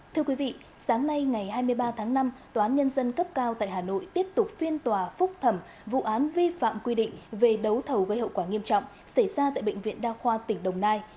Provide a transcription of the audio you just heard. thưa quý vị sáng nay ngày hai mươi ba tháng năm tòa án nhân dân cấp cao tại hà nội tiếp tục phiên tòa phúc thẩm vụ án vi phạm quy định về đấu thầu gây hậu quả nghiêm trọng xảy ra tại bệnh viện đa khoa tỉnh đồng nai